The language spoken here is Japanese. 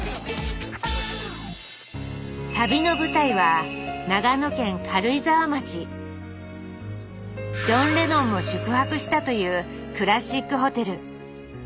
旅の舞台はジョン・レノンも宿泊したというクラシックホテル。